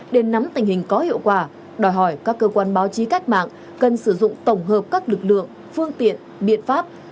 để nắm tình hình có hiệu quả đòi hỏi các cơ quan báo chí cách mạng cần sử dụng tổng hợp các lực lượng phương tiện biện pháp